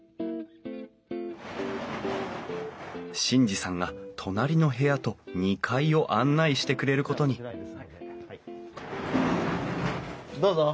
眞二さんが隣の部屋と２階を案内してくれることにどうぞ。